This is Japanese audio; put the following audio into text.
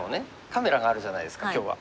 カメラがあるじゃないですか今日は。